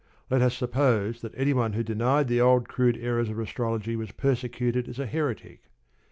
Let us suppose that any one who denied the old crude errors of astrology was persecuted as a heretic.